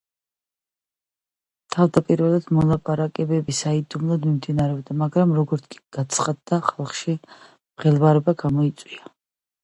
თავდაპირველად მოლაპარაკებები საიდუმლოდ მიმდინარეობდა, მაგრამ როგორც კი გაცხადდა, ხალხში მღელვარება გამოიწვია.